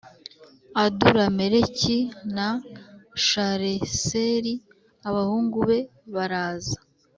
Adurameleki na Shareseri abahungu be baraza